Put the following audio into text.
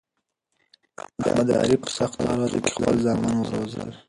محمد عارف په سختو حالاتو کی خپل زامن وروزل